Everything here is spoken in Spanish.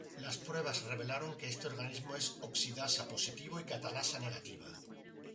Las pruebas revelaron que este organismo es oxidasa positivo y catalasa negativa.